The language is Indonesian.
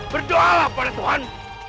berdoa lah pada tuhan